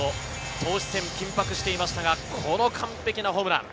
投手戦、緊迫していましたが、この完璧なホームラン。